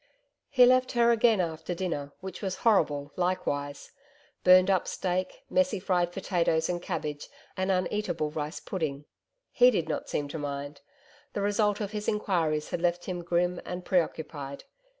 He left her again after dinner which was horrible likewise burned up steak, messy fried potatoes and cabbage, an uneatable rice pudding. He did not seem to mind. The result of his enquiries had left him grim and preoccupied.